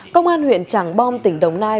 công an huyện tràng bom tỉnh đồng nai